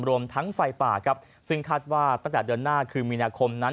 รวมทั้งไฟป่าครับซึ่งคาดว่าตั้งแต่เดือนหน้าคือมีนาคมนั้น